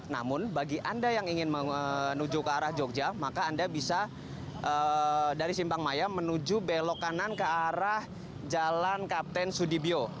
namun bagi anda yang ingin menuju ke arah jogja maka anda bisa dari simpang maya menuju belok kanan ke arah jalan kapten sudibyo